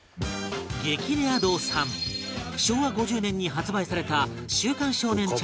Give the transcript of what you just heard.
激レア度３昭和５０年に発売された『週刊少年チャンピオン』